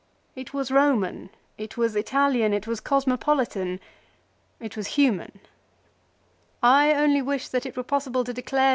It was Koman ; it was Italian ; it was cosmopolitan ; it was human. I only wish that it were possible to declare that 1 Ca. xiv. z Ca.